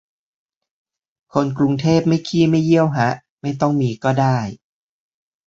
คนกรุงเทพไม่ขี้ไม่เยี่ยวฮะ ไม่ต้องมีก็ได้